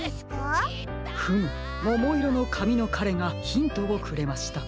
フムももいろのかみのかれがヒントをくれました。